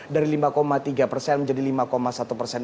dari lima tiga persen menjadi lima satu persen